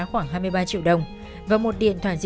tôi ở chốt trong